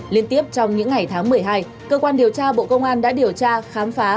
liên tiếp trong những ngày tháng một mươi hai cơ quan điều tra bộ công an đã điều tra khám phá